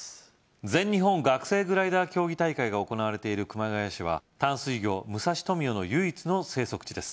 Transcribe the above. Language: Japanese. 全日本学生グライダー競技大会が行われている熊谷市は淡水魚・ムサシトミヨの唯一の生息地です